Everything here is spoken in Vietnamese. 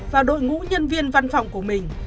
vào đội ngũ nhân viên văn phòng của mình